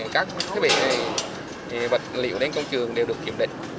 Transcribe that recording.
các thiết bị vật liệu đến công trường đều được kiểm định